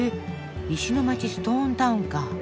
石の街ストーンタウンか。